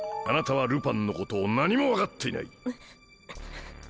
あなたはルパンのことを何も分かっていない。